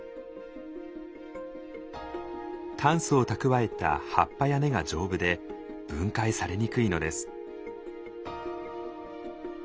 炭素を蓄えた葉っぱや根が丈夫で分解されにくいのです。